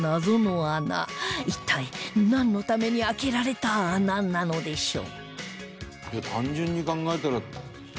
一体なんのために開けられた穴なのでしょう？